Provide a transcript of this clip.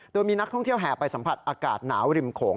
โดยมีนักท่องเที่ยวแห่ไปสัมผัสอากาศหนาวริมโขง